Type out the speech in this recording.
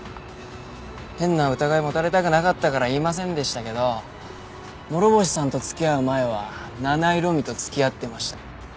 変な疑い持たれたくなかったから言いませんでしたけど諸星さんと付き合う前は七井路美と付き合ってました。